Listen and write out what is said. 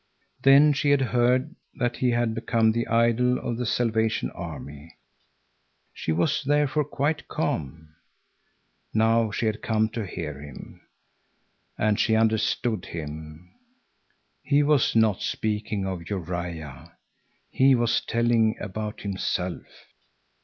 Then she had heard that he had become the idol of the Salvation Army. She was, therefore, quite calm. Now she had come to hear him. And she understood him. He was not speaking of Uria; he was telling about himself.